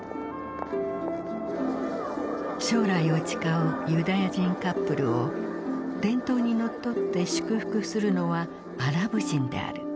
将来を誓うユダヤ人カップルを伝統にのっとって祝福するのはアラブ人である。